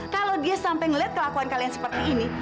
kalau dia sampai melihat kelakuan kamu seperti ini